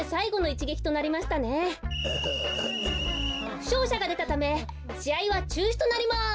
ふしょうしゃがでたためしあいはちゅうしとなります。